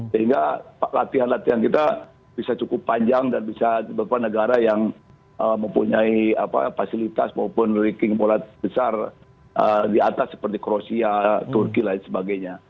sehingga latihan latihan kita bisa cukup panjang dan bisa beberapa negara yang mempunyai fasilitas maupun ranking bola besar di atas seperti kroasia turki dan sebagainya